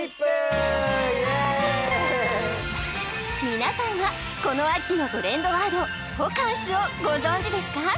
皆さんはこの秋のトレンドワード「ホカンス」をご存じですか？